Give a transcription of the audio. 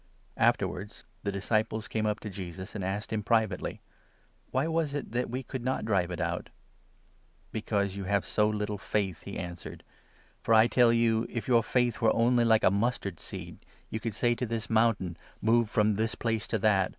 Afterwards the disciples came up to Jesus, and asked him privately: "Why was it that we could not drive it out ?" "Because you have so little faith," he answered; "for, I tell you, if your faith were only like a mustard seed, you could say to this mountain ' Move from this place to that